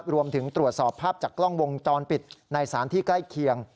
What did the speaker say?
รวมถึงตรวจสอบภาพจากกล้องวงจรปิดในสารที่ใกล้เคียง